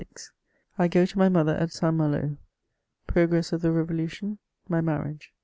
I GO TO MY MOTHER AT ST. MALO — PROGRESS OF THE REVOLUTION — MY MARRIAGE.